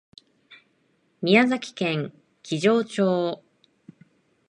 宮崎県木城町